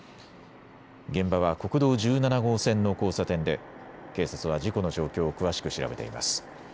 現場は国道１７号線の交差点で警察は事故の状況を詳しく調べています。